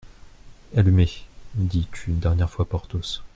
Allumez, dit une dernière fois Porthos.